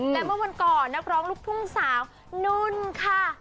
และเมื่อวันก่อนนักร้องลูกทุ่งสาวนุ่นค่ะ